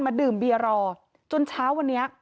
ดื่มเบียร์รอจนเช้าวันนี้